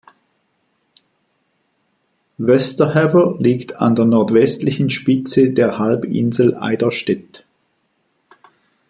Westerhever liegt an der nordwestlichen Spitze der Halbinsel Eiderstedt.